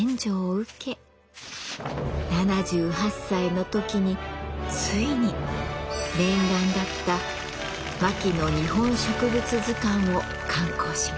７８歳の時についに念願だった「牧野日本植物図鑑」を刊行します。